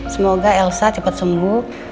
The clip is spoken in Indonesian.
semoga elsa cepat sembuh